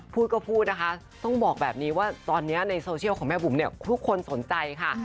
พูดก็พูดนะคะต้องบอกแบบนี้ว่าตอนนี้ในโซเชียลของแม่บุ๋มเนี่ยทุกคนสนใจค่ะ